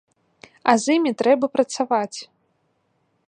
А з імі трэба працаваць!